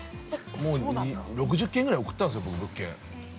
◆もう６０件ぐらい送ったんですよ、僕、物件。